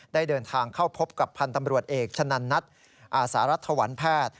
ได้เดินทางเข้าพบกับพันธ์ตำรวจเอกชะนันนัทอาสารัฐวันแพทย์